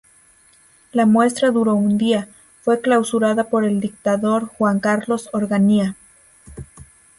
La muestra duró un día, fue clausurada por el dictador Juan Carlos Onganía.